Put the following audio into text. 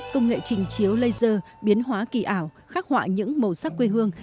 công nghệ trình chiếu laser biến hóa kỳ ảo khắc họa những màu sắc quê hương